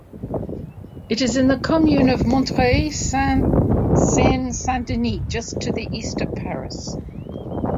It is in the commune of Montreuil, Seine-Saint-Denis, just to the east of Paris.